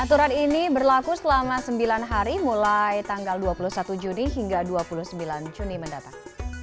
aturan ini berlaku selama sembilan hari mulai tanggal dua puluh satu juni hingga dua puluh sembilan juni mendatang